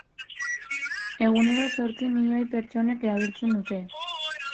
Egunero zortzi milioi pertsonek erabiltzen dute.